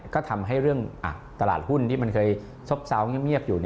ก็ทำให้เรื่องตลาดหุ้นที่มันเคยซบเซาเงียบอยู่